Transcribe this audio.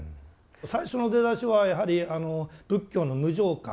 最初の出だしはやはり仏教の無常観